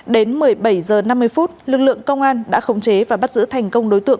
đến một mươi bảy h năm mươi phút lực lượng công an đã khống chế và bắt giữ thành công đối tượng